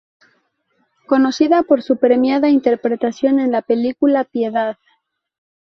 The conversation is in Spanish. Conocida por su premiada interpretación en la película "Piedad".